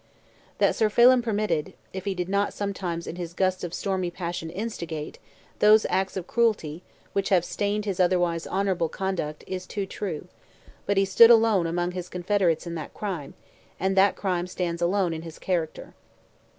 That Sir Phelim permitted, if he did not sometimes in his gusts of stormy passion instigate, those acts of cruelty, which have stained his otherwise honourable conduct, is too true; but he stood alone among his confederates in that crime, and that crime stands alone in his character.